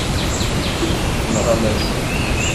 Tenɣam-asen-t.